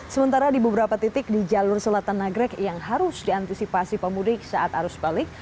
sementara di beberapa titik di jalur selatan nagrek yang harus diantisipasi pemudik saat arus balik